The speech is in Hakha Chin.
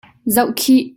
Zoh khih!